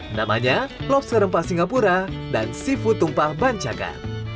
namanya lobster rempah singapura dan seafood tumpah bancakan